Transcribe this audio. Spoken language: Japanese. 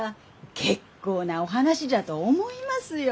結構なお話じゃと思いますよ。